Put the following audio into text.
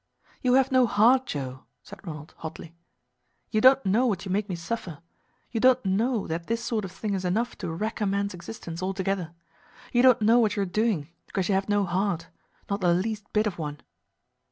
"You have no heart, Joe," said Ronald hotly. "You don't know what you make me suffer. You don't know that this sort of thing is enough to wreck a man's existence altogether. You don't know what you are doing, because you have no heart not the least bit of one."